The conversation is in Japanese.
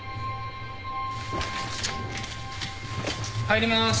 入ります。